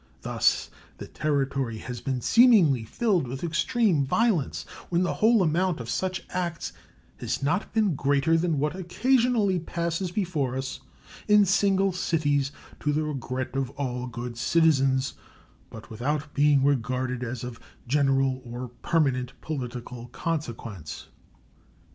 Thus the Territory has been seemingly filled with extreme violence, when the whole amount of such acts has not been greater than what occasionally passes before us in single cities to the regret of all good citizens, but without being regarded as of general or permanent political consequence.